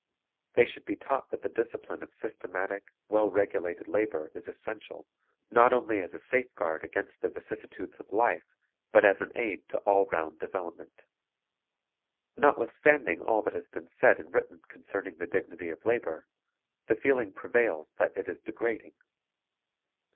They should be taught that the discipline of systematic, well regulated labor is essential, not only as a safeguard against the vicissitudes of life, but as an aid to all round development. Notwithstanding all that has been said and written concerning the dignity of labor, the feeling prevails that it is degrading.